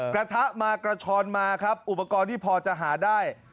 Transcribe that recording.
กระทะมากระชอนมาครับอุปกรณ์ที่พอจะหาได้